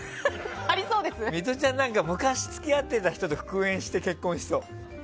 ミトちゃん昔付き合った人と復縁して結婚しそう。